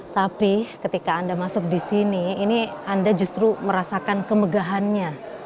tapi ketika anda masuk di sini ini anda justru merasakan kemegahannya